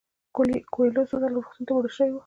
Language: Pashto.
کویلیو څو ځله روغتون ته وړل شوی و.